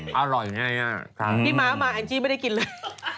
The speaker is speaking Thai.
พี่ม๊ะมาอาจอันจีนไม่ได้กินเลย